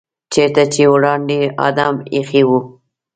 چېرته چې وړاندې آدم ایښی و.